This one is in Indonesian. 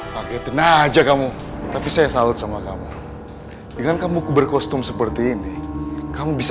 paketin aja kamu tapi saya salut sama kamu dengan kamu berkostum seperti ini kamu bisa